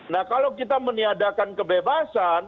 nah kalau kita meniadakan kebebasan